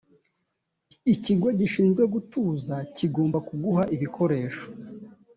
ikigo gishinzwe gutuza kigomba kuguha ibikoresho